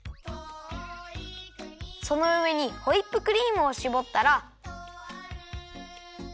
そのうえにホイップクリームをしぼったら。